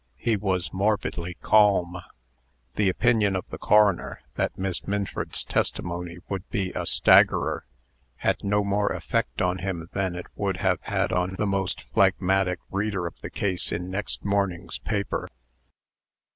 He was morbidly calm. The opinion of the coroner, that Miss Minford's testimony would be a "staggerer," had no more effect on him than it would have had on the most phlegmatic reader of the case in next morning's paper.